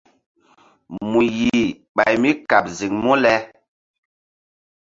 Mu yih ɓay mí kaɓ ziŋ mu le?